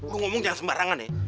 lu ngomong jangan sembarangan nih